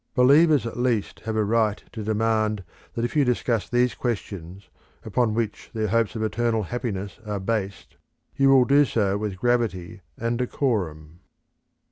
Believers at least have a right to demand that if you discuss these questions upon which their hopes of eternal happiness are based, you will do so with gravity and decorum."